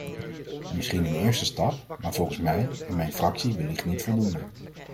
Misschien een eerste stap, maar volgens mij en mijn fractie wellicht niet voldoende.